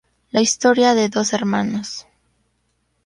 La historia de dos hermanos.